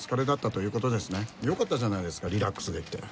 よかったじゃないですかリラックスできて。